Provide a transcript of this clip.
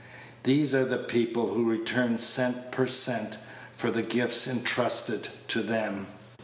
These are the people who return cent per cent for the gifts intrusted to them.